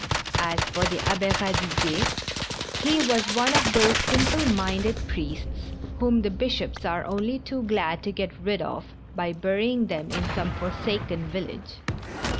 As for the Abbe Eadiguet, he was one of those simple minded priests whom the bishops are only too glad to get rid of by burying them in some for saken village.